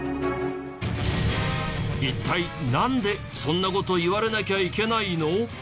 一体なんでそんな事言われなきゃいけないの？